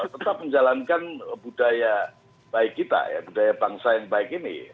tetap menjalankan budaya baik kita ya budaya bangsa yang baik ini